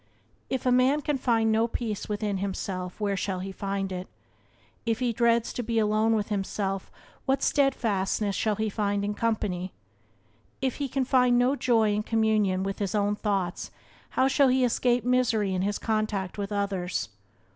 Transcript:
If a man can find no peace within himself where shall he find it? If he dreads to be alone with himself what steadfastness shall he find in company? If he can find no joy in communion with his own thoughts how shall he escape misery in his contact with others?